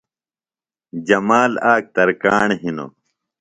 جمال آک ترکاݨ ہِنوۡ۔